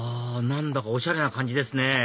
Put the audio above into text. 何だかおしゃれな感じですね